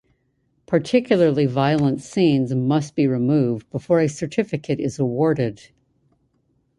Particularly violent scenes must be removed before a certificate is awarded.